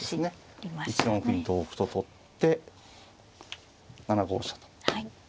１四歩に同歩と取って７五飛車と。